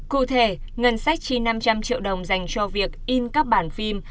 cụ thể ngân sách chi năm trăm linh triệu đồng dành cho việc in các bản phim